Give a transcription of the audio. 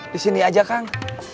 disini aja kang